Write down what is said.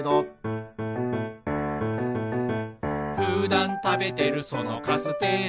「ふだんたべてるそのカステラ」